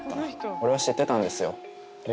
俺は知ってたんですよ。